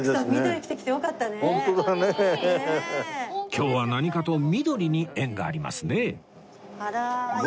今日は何かと緑に縁がありますね